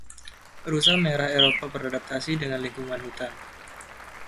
Rusa merah Eropa beradaptasi dengan lingkungan hutan.